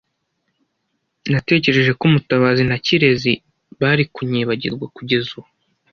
Natekereje ko Mutabazi na Kirezi bari kunyibagirwa kugeza ubu.